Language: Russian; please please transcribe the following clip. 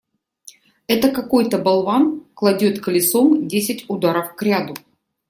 Это какой-то болван кладет колесом десять ударов кряду.